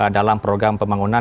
dalam program pembangunan